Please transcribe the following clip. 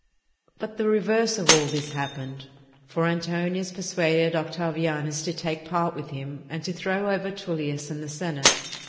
But the reverse of all this happened. For Antonius persuaded Octavianus to take part with him, and to throw over Tullius and the senate.